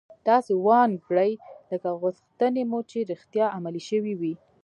داسې و انګیرئ لکه غوښتنې چې مو رښتیا عملي شوې وي